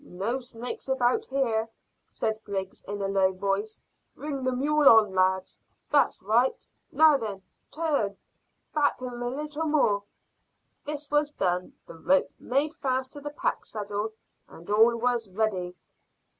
"No snakes about here," said Griggs, in a low voice; "bring the mule on, lads. That's right. Now then, turn. Back him a little more." This was done, the rope made fast to the pack saddle, and all was ready.